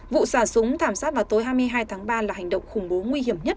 vụ xả súng thảm sát vào tối hai mươi hai tháng ba là hành động khủng bố nguy hiểm nhất